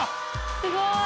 すごい！